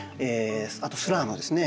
あとスラムですね。